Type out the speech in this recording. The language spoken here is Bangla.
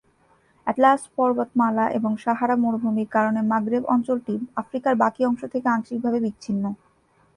অ্যাটলাস পর্বতমালা এবং সাহারা মরুভূমির কারণে মাগরেব অঞ্চলটি আফ্রিকার বাকী অংশ থেকে আংশিকভাবে বিচ্ছিন্ন।